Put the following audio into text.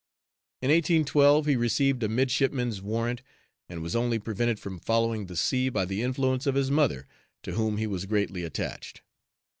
In 1812, he received a midshipman's warrant, and was only prevented from following the sea by the influence of his mother, to whom he was greatly attached.